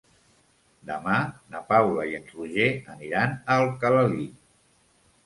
Demà na Paula i en Roger aniran a Alcalalí.